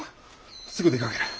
すぐ出かける。